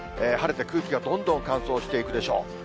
晴れて空気がどんどん乾燥していくでしょう。